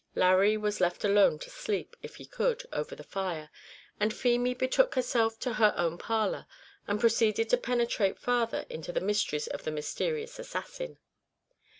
Larry was left alone to sleep, if he could, over the fire, and Feemy betook herself to her own parlour, and proceeded to penetrate farther into the mysteries of the "Mysterious Assassin."